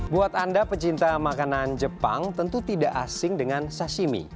buat anda pecinta makanan jepang tentu tidak asing dengan sashimi